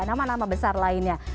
nama nama besar lainnya